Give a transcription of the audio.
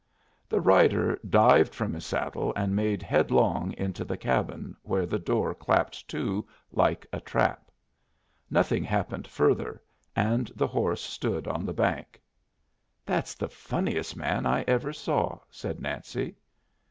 The rider dived from his saddle and made headlong into the cabin, where the door clapped to like a trap. Nothing happened further, and the horse stood on the bank. "That's the funniest man I ever saw," said Nancy.